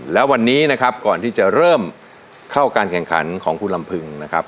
แล้ววันนี้นะครับก่อนที่จะเริ่มเข้าการแข่งขันของคุณลำพึงนะครับ